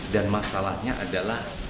dan masalahnya adalah